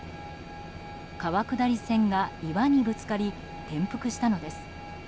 川下り船が岩にぶつかり転覆したのです。